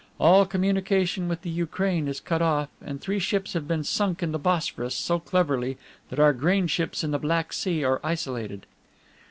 All communication with the Ukraine is cut off, and three ships have been sunk in the Bosphorus so cleverly that our grain ships in the Black Sea are isolated."